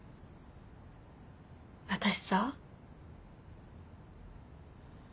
私さ。